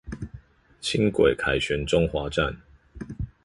輕軌凱旋中華站